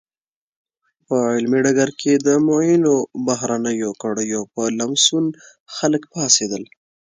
په علمي ډګر کې د معینو بهرنیو کړیو په لمسون خلک پاڅېدل.